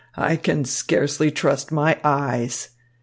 I can scarcely trust my eyes."